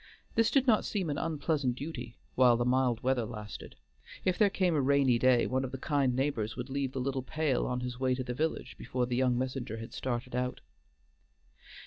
This did not seem an unpleasant duty while the mild weather lasted; if there came a rainy day, one of the kind neighbors would leave the little pail on his way to the village before the young messenger had started out.